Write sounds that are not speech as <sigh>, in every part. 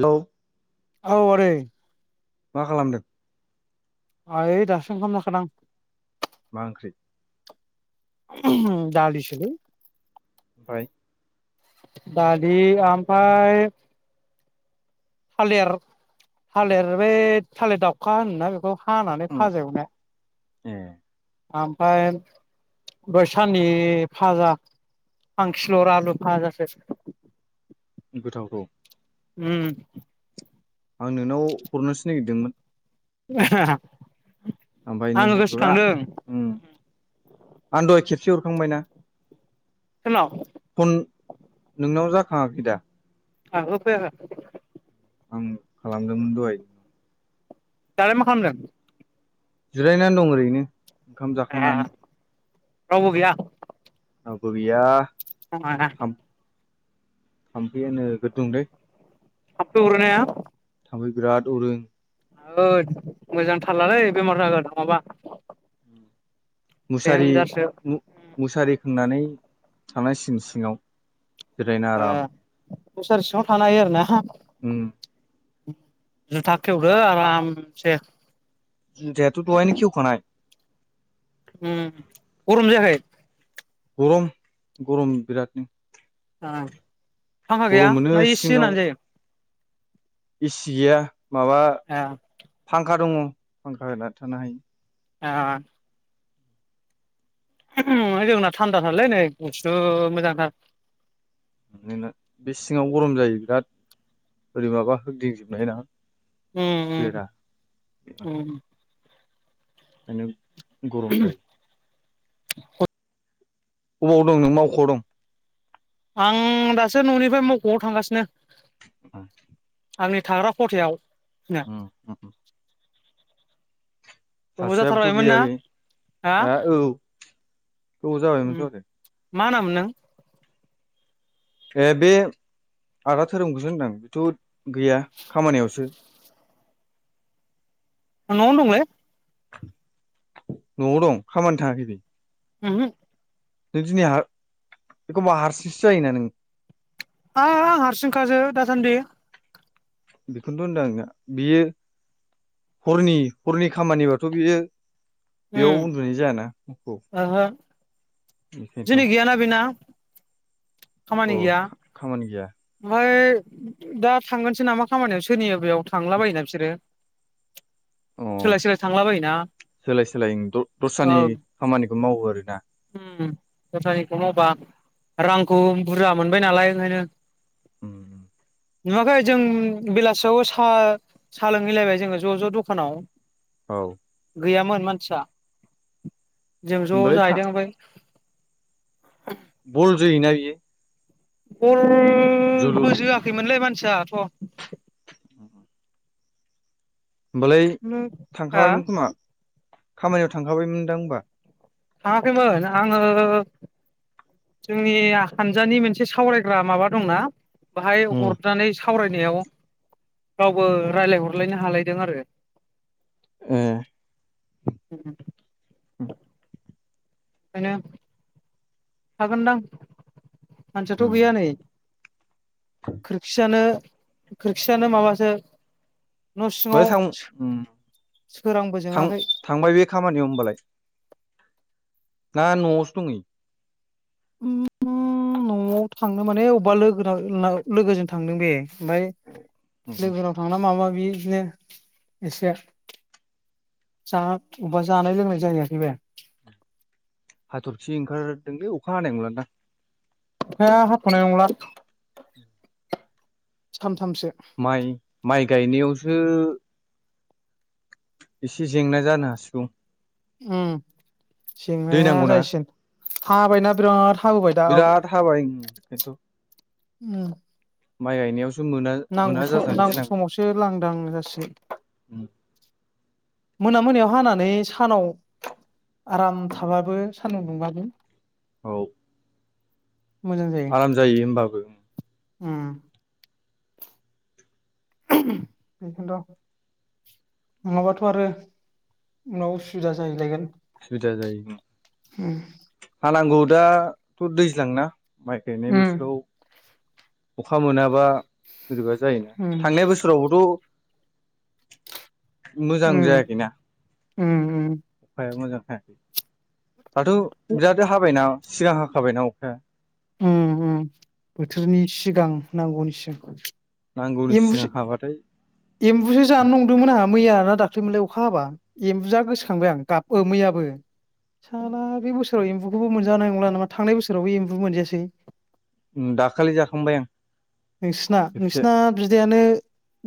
Hello औ आदै मा खालामदों आ ओय दासो ओंखालाम जाखांदां मा ओंख्रि दालि सोलै ओफ्राय दालि आमफाय थालेर थालेर ओइ थालिर दावउखा होनोना बेखौ हानानै उम फाजा एवनाया ए आमफाय बैसाननि फाजा खांकिल'र आलु फाजासो गोथावथ उम आं नोंनाव हरनोसो नागिरदोंमोन <unintelligible> ओमफाय नों आङो हरगोआ गोसोखांदों आं दय खेबसे हरखांबाय ना सोरनाव? फन नोंनाव जाखाङाखै दा? ओहो फैयाखै? आं खालामदोंमोन दहाय। दालाय मा खालामदों? जिरायनानै दं ओरैनो। ओंखाम ए जाखांनानै। रावबो गैया? रावबो गैया। <unintelligible> थाम्फैयानो नोगोद दंलै। थामफै अरनाया। थामफै बेराद अरो। ओइ मोजां थारलालै बेमार जागोन नङाबा। देनजारसो मुसारि-मुसारि खोंनानै थानाय सिन सिङाव जिरायना ओ आराम मुसारि सिङाव थानो हायो आरो ना? उम <unintelligible> जुथा खेवदो आरामसे जिहेथु दहायनो खेवखानाय उ गरम जायाखै? गरम गरम बिरादनो ओ फांखा गैया गरम मोनो ना इसि होननानै जायो। इसि गैया। माबा ए फांखा दङ। फांखा होना थानो हायो। ओ। ओ, जोंना थान्दाथारलै नै गुसु मोजांथार। मानोना बे सिङाव गरम जायो बिराद बोरैबाबा होदिंजोबनाय ना। उम बेरा उम ओ। <unintelligible> गरमखाय। <unintelligible> अबाव दं नों मावख'आव दं। आं दासो न'निफ्राय मावख'आव थांगासिनो। आंनि थाग्रा खथायाव ओ। सासेयाबोथ' जाथारबायमोन ना गैया बे हा औ गोबाव उम जाबायमोनथ आरो मा नाम नों ए बे आदा धोरोमखौसो होनदां बेथ' गैया खामानियावसो नआवनो दंलै न'आव दं खामानि थाङाखै बे उमहु नों दिनै बेखौबा हारसिंसो जायोना नों आं हारसिं खाजो दासान्दि बेखौनोथ' होनदों आं बियो हरनि हरनि खामानिबाथ' बियो उम बेयाव उन्दुनाय जायाना जोंनि बेखायनोथ' गियाना बिना खामानि अ गैया खामानि गैया ओमफ्राय दा थांगोनसो नामा खामानियाव सोरनियो बेयाव थांला बायोना बिसोरो अ सोलाय सोलाय थांलाबायोना सोलाय सोलाय ओ दस्रानि खामानिखौ मावो आरोना उम दस्रानिखौ मावबा रांखौ बुरजा मोनबाय नालाय ओंखायनो उ नुवाखै जों बेलासियाव साहा लोंहैलायबाय जोङो ज' ज' दखानाव औ गैयामोन मानसिया जों ज' होनबालाय था जाहैदों ओमफाय बल जोयोना इयो बल बलबो जोआखैमोनलाय मान आसा अ होमबालाय बेखौनो हा थांखाबायमोन खोमा खामानियाव थांखाबायमोनदां होमबा थाङाखैमोन आङो जोंनि हानजानि मोनसे सावरायग्रा माबा दंना बाहाय ए हरनानै सावरायनायाव गावबो रायलायहरलायनो हालायदों आरो ए <inaudible> <inaudible> ओंखायनो हागोनदां मानसियाथ' गैया ओमफ्राय नै खोरखिजानो खोरखिजानो माबासो न' <unintelligible> सिङाव थांबाय सोरांबो थांबाय बे जोङाखै थांबाय बे खामानियाव बालाय ना न'आवसो दङ ओम न'आव थांनो माने अबेबा लोगो लोगोजों थांदों बे ओमफाय लोगोफोराव थांना माबा ब्दिनो एसे ज अबेबा जानाय लोंनाय जाहैआखै बे हाथरखि ओंखारदोंलै अखा हानाय नंला दा अखाया हाथ'नाय नंला सान माइ माइ गायनायावसो एसे जेंना जानो हासिगौ ओम दै जेंनाया नांगौना जाहैसिगोन हाबायना बिराद हाबोबाय दा बिराद हाबाय खि उम माइ गायनायाव नांगौ समाव समावसो लांदां जासिगोन मोना मोनायाव हानानै सानाव आराम थाबाबो सानदुं दुंबाबो औ आराम जायो होमबाबो ओम बेखौनोथ' नङाबाथ' आरो उनाव उसुबिदा जाहैलायगोन सुबिदा जायो हानांगौ दा थ दैज्लांना माइ गायनाय उम बोथोराव अखा मोनाबा बोरैबा जायोना उम थांनाय बोसोरावबोथ' मोजां उम जायाखैना उम उम फ मोजां <unintelligible> दाथ' उम बिराद हाबायना सिगां हखाबायना अखाया उम उम बोथोरनि सिगां नांगौनिसिम नांगौनि एम्बुसो सिगां हाबाथाय एम्बुसो उम जानो नंदोंमोन आंहा मैया ना दाख मोनलाय अखा हाबा एम्बु जा गोसोखांबाय आं गाबो मैयाबो साना बे बोसोराव एम्बुखौबो मोनजानाय नंला नामा थांनाय बोसोरावबो एम्बु मोनजायासै दाखालि जाखांबाय आं नोंसिना खेबसे नोंसिना बिदायानो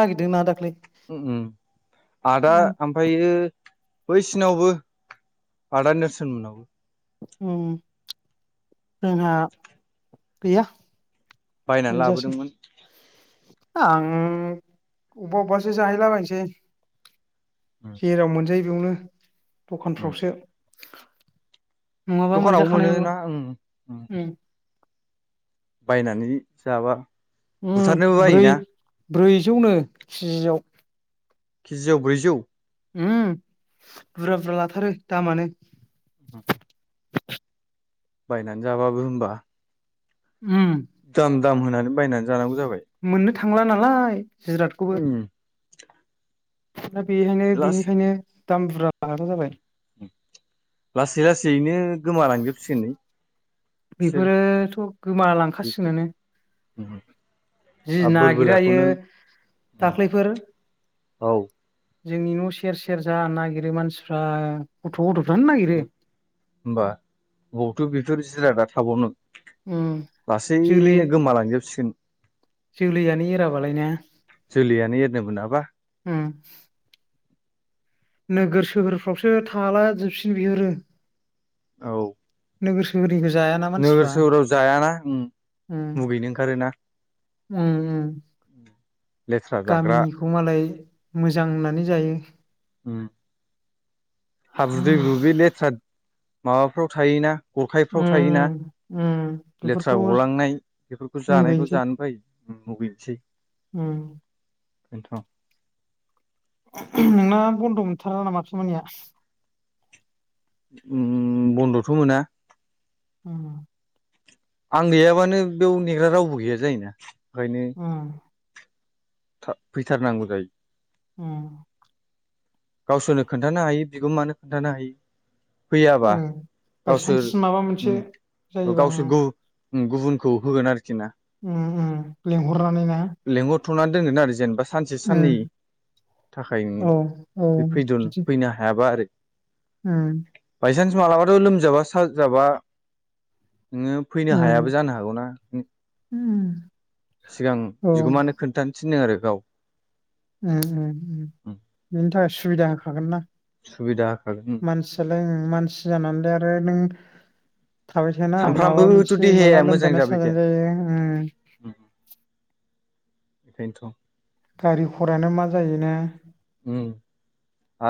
नागिरदोंना दाखलै उम उम आदा ओमफ्रायो बैसिनावबो आदा नेर्सोन मोननाव उम जोंहा गैया बायनानै मोनजायासै लाबोदोंमोन आं अबा अबासो जाहैला बायनोसै उम जेराव मोनजायो बेयावनो उम दखानफ्रावसो नङाबा दखानाव मोनजाखानाय मोनो नंला ना ओ ओं उम बायनानै जाबा उम बुथारनोबो ब्रै बायोना ब्रैजौनो केजिसेआव केजियाव ब्रैजौ उम बुरजा बुरजा लाथारो दामानो <inaudible> बायनानै जाबाबो होमबा उम दाम दाम होनानै बायनानै जानांगौ जाबाय मोननो थांला नालाय जिरातखौबो उम दा बेहायनो लासै बेनिखायनो दाम बुरजा लाग्रा जाबाय लासै लासैनो गोमालांजोबसिगोन नै बिसोर बेफोरोथ' बेफोर गोमालांखासिगनो जि आरो नागिरायो बोरबोलाखौनो आयै दाख्लैफोर औ जोंनि न' सेर सेर जा नागिरो मानसिफ्रा गथ' गथ' होमबा बावथ' बेफोर जिरादा थाबावनो उम जोलै लासैनो गोमालांजोबसिगोन जोलैयानो एराबालाय ने जोलैयानो एरनो मोनाबा ओम नोगोर सोहोरफ्रावसो थाला जोबसिगोन बिसोरो औ नोगोर सोहोरनि नोगोर सोहोराव जायाना ओम उम मुगैनो ओंखारोना उम उम लेथ्रा जाग्रा गामिनिखौ मालाय मोजां होननानै जायो ओम हाब्रु दैब्रु उम बे लेथ्रा माबाफ्राव थायोना गरखायफ्राव थायोना उम उम लेथ्रा बेफोरखौ गलांनाय बेफोरखौ जानायखौ जानो बायो मुगैनोसै ओम बेनोथ' नोंना बन्द' मोनथारा नामा खामानिया ओम बन्द'थ' मोना ओम आं गैयाबानो बेयाव नेग्रा रावबो गैया जायोना ओम था फैथारनांगौ जायो उम गावसोरनो खोन्थानो हायि बिगुमानो खोन्थानो हायो फैयाबा ओम गावसोर बायसान्स माबा मोनसे उम जायोबा गावसोर आङो गु गुबुनखौ होगोन आरोखि ना ओम ओम लिंहरनानै ना लेंहर थ'नानै दोनगोन आरो जेनेबा सानसे साननै उम थाखायनो औ औ बे फैद' फैनो हायाबा आरो ओम बायसान्स माबलाबाथ' लोमजाबा साजाबा नोङो फैनो उम हायाबो जानो हागौना उम सिगां औ बिगोमानो खोन्थानो थिनदों आरो गाव ओम ओम ओम बिनि थाखाय सुबिदा होखागोन ना सुबिदा होखागोन मानसिया मानसि जानानैलाय आरो नों थाबाय थायाना माबा सानफ्रामबोथ' मोनसे देहाया माला मोजां लोमजानाय जाबाय थाया साजानाय जायो ओम बेखानथ' गारि घराना मा जायोना उम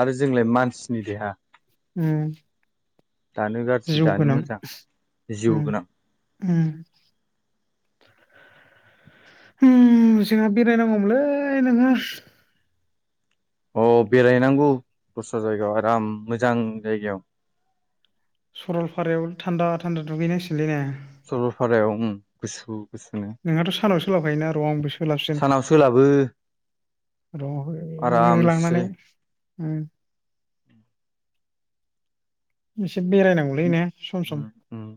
आरो जोंलाय मानसिनि देहा उम दानो गाज्रि जिउ दानो गोनां मोजां जिउ उम गोनां उम उम जोंहा बेरायनांगौमोनलै नोङो अ बेरायनांगौ दस्रा जायगायाव आराम मोजां जायगायाव सरलपारायाव थान्दा थान्दा दुगैनांसिगोनलै ने सरलपारायाव उम गुसु गुसुनो नोंहाथ' सानाव सोलाबखायोना र' आंबो सोलाबसिन सानाव सोलाबो र' ओ आरामसे लांनानै उम इस उम उम उम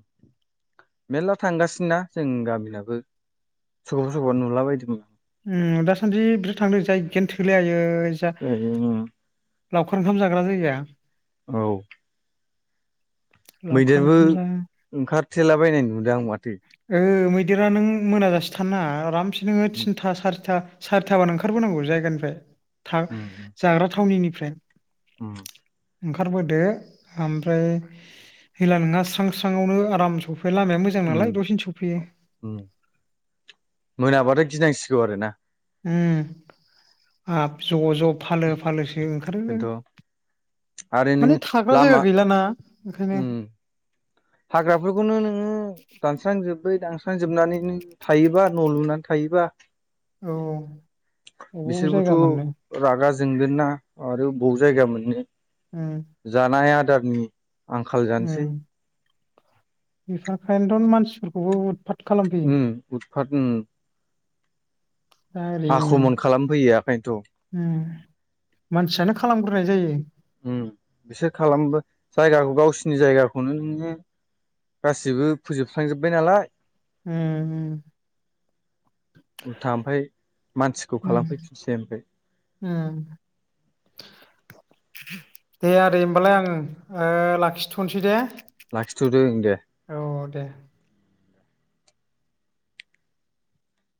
मेर्ला थांगासिनो ना जों गामिनाबो सोरखौबा सोरखौबा नुला बायदोमोन आं उम दासान्दि बिराद थांदों जायगायानो थोलाय आयै जा <unintelligible> लावखार ओंखाम जाग्रा जायगा औ लावखार मैदेरबो ओंखाम जा ओंखारथेलाबायनाय नुदों आं माथो देरा नों मोनाजासे थान नाङा आरामसे नों उम थिन सारिथा सारिथाबानो ओंखारबोनांगौ जायगानिफ्राय था उम जाग्रा थावनिनि फ्रें उम ओंखारबोदो ओमफ्राय हेला नोङा स्रां स्रां आवनो आराम सफै उम उम मोनाबाथाय गिनांसि गौ आरो ना उम हाब ज' ज' फालो फालोसो ओंखारो बेनोथ' आरो नों माने थाग्रा लामा जायगा गैलाना ओंखायनो उम हाग्राफोरखौनो नोङो दानस्रांजोबै दानस्रांजोबनानै नों थायोबा न' लुनानै थायोबा औ अबाव बिसोरबोथ' जायगा मोननो रागा जोंगोन ना आरो बाव जायगा मोननो उम जानाय आद दारनि आंखाल जानसै बिफा खायनोथ' मानसिफोरखौबो उद फट खालामफैयो उम <unintelligible> दा ओरैनो आख्रमन खालामफैयो खायन्थ' उम मानसियानो खालामग्रोनाय जायो उम बिसोर खालाम जायगाखौ गावसिनि जायगाखौनो नुयो गासिबो फोजोबस्रांजोबबाय नालाय उम उम उल्था ओमफ्राय मानसिखौ उम खालामफैफिनसै ओनलाय उम दे आदै होमबालाय आं ओ लाखिथ'नोसै दे। लाखिथ'दो ओं दे औ दे